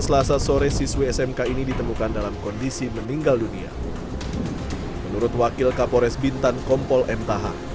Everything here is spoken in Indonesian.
siswi smk ini ditemukan dalam kondisi meninggal dunia menurut wakil kapolres bintan kompol mth